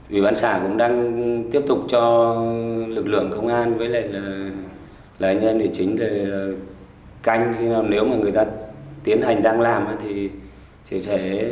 ubnd cũng đang tiếp tục cho lực lượng công an với lại là anh em chính để canh khi mà nếu mà người ta tiến hành đang làm thì sẽ